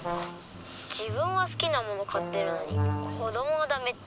自分は好きなもの買ってるのに子どもはダメって。